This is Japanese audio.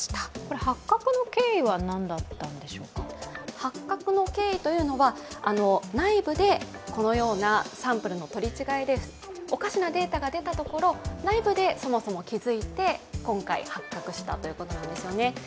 発覚の経緯は、内部でこのようなサンプルの取り違えでおかしなデータが出たところ、内部でそもそも気付いて今回発覚したということなんですよね。